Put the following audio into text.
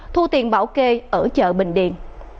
thu tiền bảo kê ở chợ bình điện